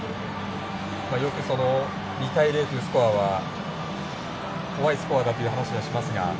よく２対０というスコアは怖いスコアだという話をしますが。